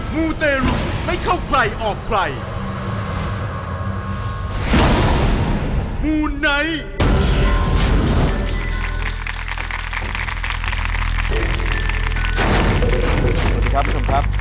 มูนไนท์